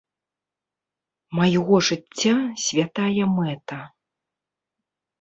Майго жыцця святая мэта.